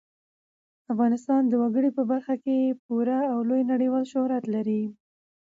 افغانستان د وګړي په برخه کې پوره او لوی نړیوال شهرت لري.